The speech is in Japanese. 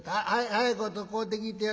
早いこと買うてきてや。